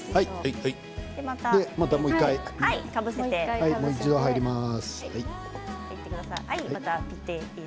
もう一度、入ります。